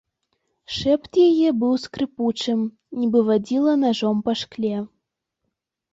Шэпт яе быў скрыпучым, нібы вадзіла нажом па шкле.